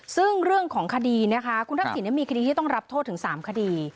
ซึ่งเรื่องของคดีนะคะคุณทักษิณมีคดีที่ต้องรับโทษถึง๓คดี